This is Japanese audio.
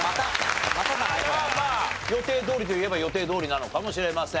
まあまあ予定どおりといえば予定どおりなのかもしれません。